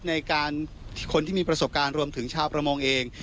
ในการคนที่มีประสบการณ์รวมถึงชาวประมงเอง